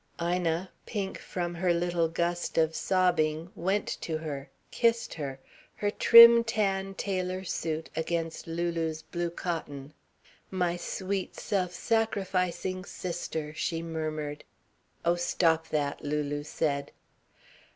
Ina, pink from her little gust of sobbing, went to her, kissed her, her trim tan tailor suit against Lulu's blue cotton. "My sweet, self sacrificing sister," she murmured. "Oh stop that!" Lulu said.